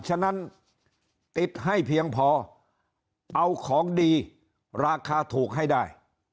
ฉะนั้นติดให้เพียงพอเอาของดีราคาถูกให้ได้